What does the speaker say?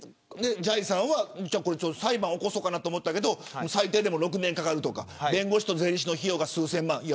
裁判を起こそうかなと思ったけど最低で６年かかるとか弁護士と税理士の費用が数千万。